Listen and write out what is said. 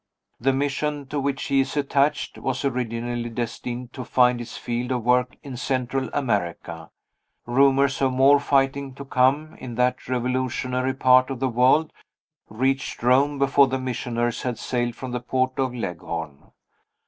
The Mission to which he is attached was originally destined to find its field of work in Central America. Rumors of more fighting to come, in that revolutionary part of the world, reached Rome before the missionaries had sailed from the port of Leghorn.